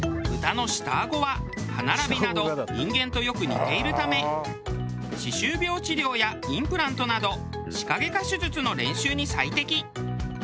豚の下アゴは歯並びなど人間とよく似ているため歯周病治療やインプラントなど歯科外科手術の練習に最適。